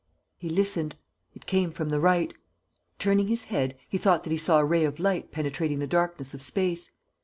He listened. It came from the right. Turning his head, he thought that he saw a ray of light penetrating the darkness of space.